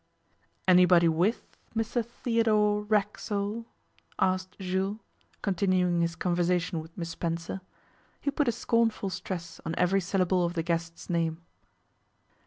'Anybody with Mr Theodore Racksole?' asked Jules, continuing his conversation with Miss Spencer. He put a scornful stress on every syllable of the guest's name.